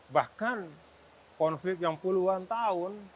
bahkan konflik yang puluhan tahun